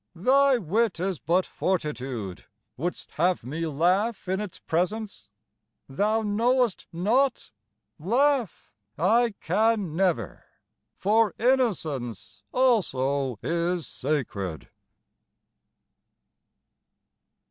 Thy wit is but fortitude; would'st have me laugh in its presence? Thou knowest not? Laugh I can never, for innocence also is sacred.